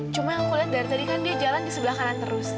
cuma yang aku lihat dari tadi kan dia jalan di sebelah kanan terus